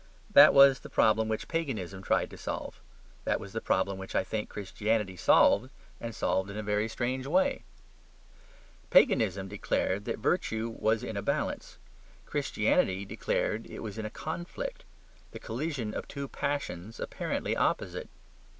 That was the problem which Paganism tried to solve: that was the problem which I think Christianity solved and solved in a very strange way. Paganism declared that virtue was in a balance; Christianity declared it was in a conflict: the collision of two passions apparently opposite.